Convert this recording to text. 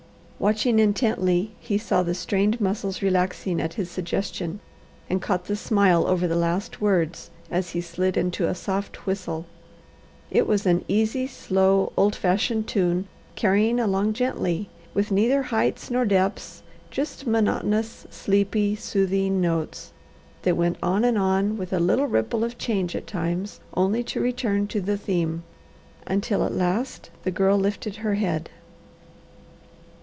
Watching intently he saw the strained muscles relaxing at his suggestion and caught the smile over the last words as he slid into a soft whistle. It was an easy, slow, old fashioned tune, carrying along gently, with neither heights nor depths, just monotonous, sleepy, soothing notes, that went on and on with a little ripple of change at times, only to return to the theme, until at last the Girl lifted her head.